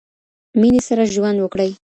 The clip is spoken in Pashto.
مینې سره ژوند وکړئ.